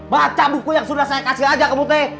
baca buku yang sudah saya kasih aja kamu teh